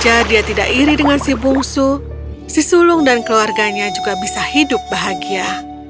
jika dia tidak iri dengan si bungsu si sulung dan keluarganya juga bisa hidup bahagia